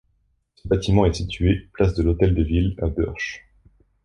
Ce bâtiment est situé place de l'Hôtel-de-Ville à Bœrsch.